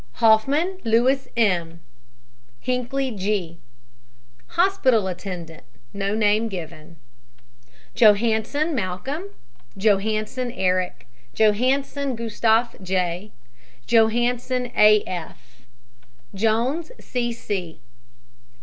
HOFFMAN, LOUIS M. HINCKLEY, G. Hospital Attendant, no name given. JOHANSEN, MALCOLM. JOHANSEN, ERIC. JOHANSSON, GUSTAF J. JOHANSEN, A. F. JONES, C. C.